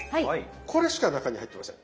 これしか中に入ってません。